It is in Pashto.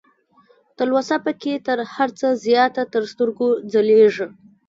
تلوسه پکې تر هر څه زياته تر سترګو ځلېږي